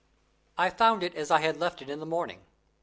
I found it as I had left it in the morning.